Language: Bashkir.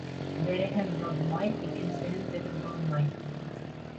Береһен боҙмай, икенсеһен төҙөп булмай.